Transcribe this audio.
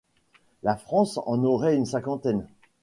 La France en aurait une cinquantaine.